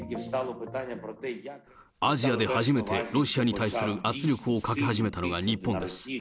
アジアで初めてロシアに対する圧力をかけ始めたのが日本です。